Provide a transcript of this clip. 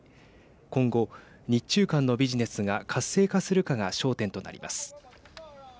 今後、日中間のビジネスが活性化するかが焦点となります。